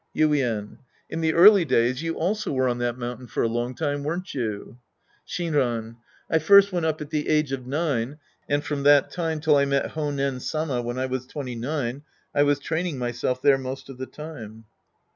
Yinen. In the early days you also were on that mountain for a long time, weren't you ? Shinran. I first went up at the age of nine, and from that time till I met Honcn Sama when I was twenty nine, I was training myself there most of the time.